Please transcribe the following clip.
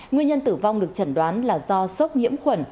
nguyên nhân tử vong được chẩn đoán là do sốc nhiễm khuẩn